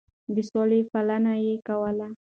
د سولې پالنه يې کوله.